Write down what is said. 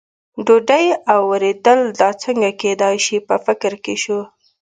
ډوډۍ او ورېدل، دا څنګه کېدای شي، په فکر کې شو.